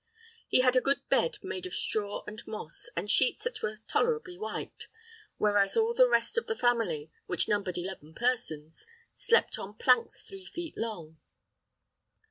He had a good bed made of straw and moss, and sheets that were tolerably white, whereas all the rest of the family, which numbered eleven persons, slept on planks three feet long.